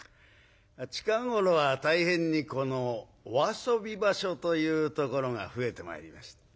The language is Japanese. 近頃は大変にお遊び場所というところが増えてまいりました。